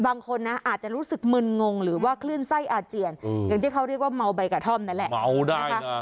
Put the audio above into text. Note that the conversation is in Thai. บางคนนะอาจจะรู้สึกมึนงงหรือว่าคลื่นไส้อาเจียนอย่างที่เขาเรียกว่าเมาใบกระท่อมนั่นแหละเมาได้นะคะ